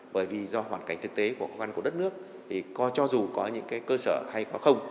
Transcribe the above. bởi vì do hoàn cảnh thực tế của cơ quan của đất nước thì cho dù có những cơ sở hay không